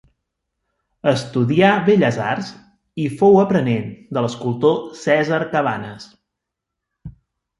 Estudià belles arts, i fou aprenent de l'escultor Cèsar Cabanes.